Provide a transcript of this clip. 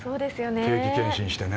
定期健診してね。